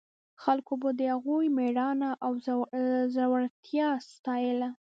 خلکو به د هغوی مېړانه او زړورتیا ستایله.